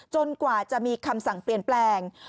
กว่าจะมีคำสั่งเปลี่ยนแปลง